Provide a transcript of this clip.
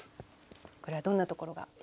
これはどんなところが。